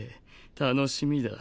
楽しみだ。